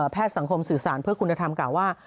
สังคมสื่อสารเพื่อคุณธรรมกล่าวว่า